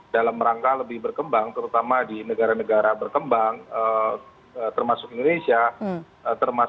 dalam rangka lebih berkembang terutama di negara negara berkembang termasuk indonesia